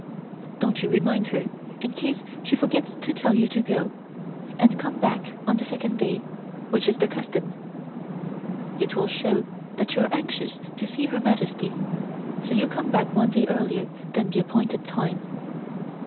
Don't you remind her, in case she forgets to tell you to go, and come back on the second day, which is the custom. It will show that you are anxious to see Her Majesty, so you come back one day earlier than the appointed time."